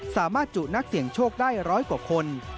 สามารถจุนักเสี่ยงโชคได้ร้อยกว่าคน